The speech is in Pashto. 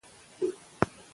که حساب وي نو پیسې نه کمیږي.